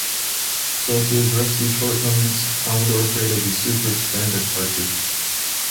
So to address these shortcomings Commodore created the "Super Expander" cartridge.